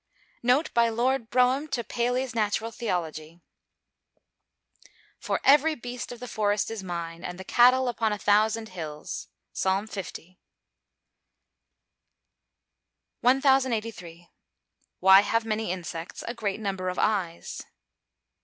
Note by Lord Brougham to Paley's Natural Theology. [Verse: "For every beast of the forest is mine, and the cattle upon a thousand hills." PSALM L.] 1083. _Why have many insects a great number of eyes?